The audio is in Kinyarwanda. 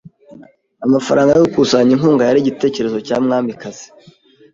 Amafaranga yo gukusanya inkunga yari igitekerezo cya mwamikazi.